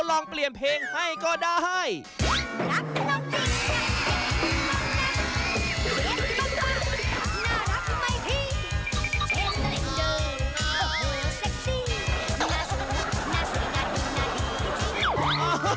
กล้องเชียครับ